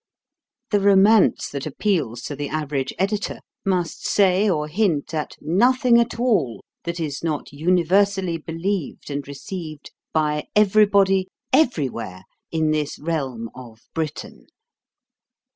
The romance that appeals to the average editor must say or hint at nothing at all that is not universally believed and received by everybody everywhere in this realm of Britain.